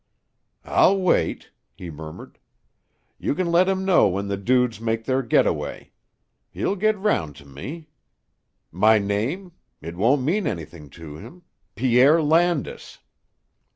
"I'll wait," he murmured. "You can let him know when the dudes make their get away. He'll get round to me. My name? It won't mean anything to him Pierre Landis."